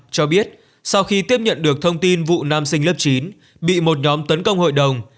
cho biết sau khi tiếp nhận được thông tin vụ nam sinh lớp chín bị một nhóm tấn công hội đồng